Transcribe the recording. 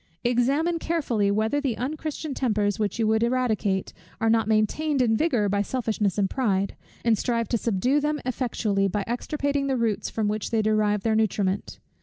Examine carefully, whether the unchristian tempers, which you would eradicate, are not maintained in vigour by selfishness and pride; and strive to subdue them effectually, by extirpating the roots from which they derive their nutriment.